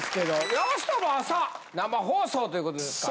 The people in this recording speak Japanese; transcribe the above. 山下は朝生放送という事ですか。